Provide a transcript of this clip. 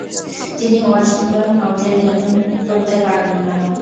তিনি Washington house এর নিয়ন্ত্রণ করতে পারবেন না।